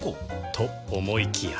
と思いきや